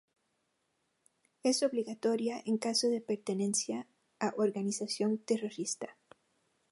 Es obligatoria en caso de pertenencia a organización terrorista.